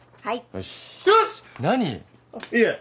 はい。